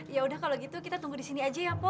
yaudah kalau gitu kita tunggu disini aja ya po